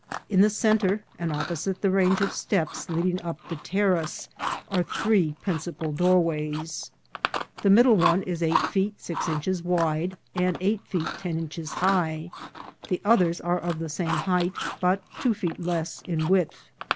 In the centre, and opposite the range of steps leading up the terrace, are three principal doorways. The middle one is eight feet six inches wide, and eight feet ten inches high ; the others are of the same height, but two feet less in width.